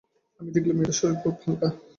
আমি দেখলাম মেয়েটার শরীর খুব হালকা।